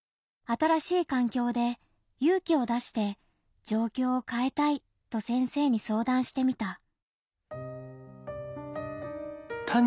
新しい環境で勇気を出して「状況を変えたい」と先生に相談してみた。